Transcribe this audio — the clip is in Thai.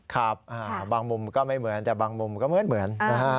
ครับบางมุมก็ไม่เหมือนแต่บางมุมก็เหมือนนะฮะ